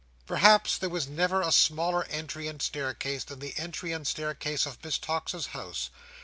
Perhaps there never was a smaller entry and staircase, than the entry and staircase of Miss Tox's house.